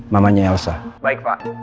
mamanya elsa baik pak